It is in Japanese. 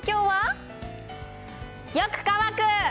よく乾く。